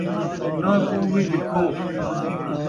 انہاں کوں وی لکھو